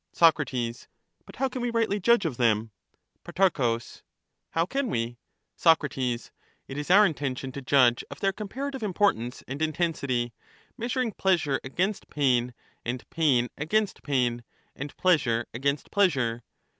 Soc. But how can we rightly judge of them ? Pro. How can we ? Soc. Is it our intention to judge of their comparative im portance and intensity, measuring pleasure against pain, and pain against pain, and pleasure against pleasure